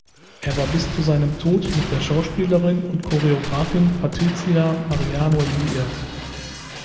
Er war bis zu seinem Tod mit der Schauspielerin und Choreografin Patricia Mariano liiert.